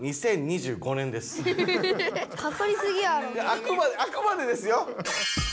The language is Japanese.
あくまであくまでですよ。